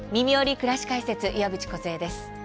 くらし解説」岩渕梢です。